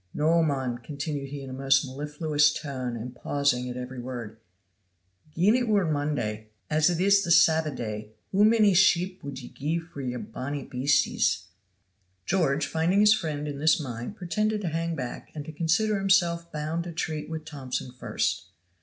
Noo, mon," continued he in a most mellifluous tone and pausing at every word, "gien it were Monday as it is the Sabba day hoo mony sheep wud ye gie for yon bonnie beasties?" George, finding his friend in this mind, pretended to hang back and to consider himself bound to treat with Thomson first.